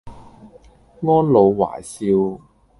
安老懷少